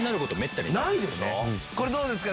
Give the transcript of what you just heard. これどうですか？